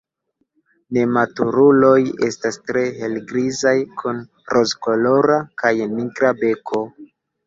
Nematuruloj estas tre helgrizaj kun rozkolora kaj nigra beko.